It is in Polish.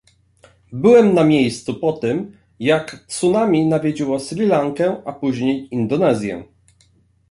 Byłem na miejscu po tym, jak tsunami nawiedziło Sri Lankę, a później Indonezję